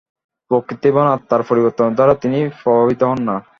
প্রকৃতি এবং আত্মার পরিবর্তনের দ্বারা তিনি প্রভাবিত হন না।